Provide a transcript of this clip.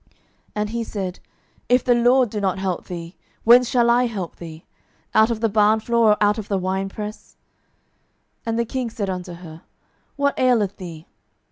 12:006:027 And he said, If the LORD do not help thee, whence shall I help thee? out of the barnfloor, or out of the winepress? 12:006:028 And the king said unto her, What aileth thee?